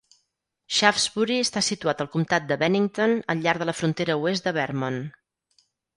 Shaftsbury està situat al comptat de Bennington, al llarg de la frontera oest de Vermont.